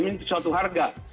harga bbm itu suatu harga